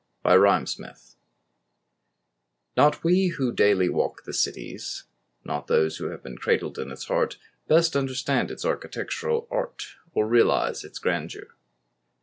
ACQUAINTANCE Not we who daily walk the city's Not those who have been cradled in its heart, Best understand its architectural art Or realise its grandeur.